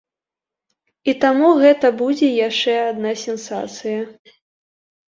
І таму гэта будзе яшчэ адна сенсацыя.